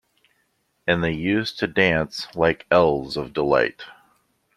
And they used to dance like elves of delight.